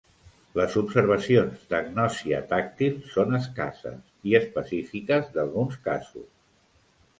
Les observacions d"agnòsia tàctil són escasses i específiques d"alguns casos.